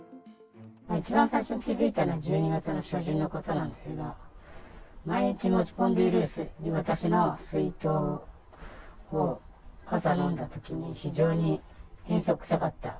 一番最初に気付いたのは１２月の初旬のことなんですけど、毎日持ち込んでいる私の水筒を朝飲んだときに、非常に塩素臭かった。